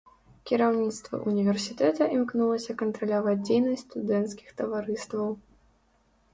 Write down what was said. Кіраўніцтва ўніверсітэта імкнулася кантраляваць дзейнасць студэнцкіх таварыстваў.